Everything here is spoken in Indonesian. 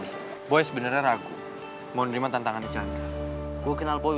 itu sih yang bisa gue liat dari mukanya boy